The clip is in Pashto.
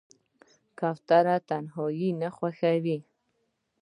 کوتره تنهایي نه خوښوي.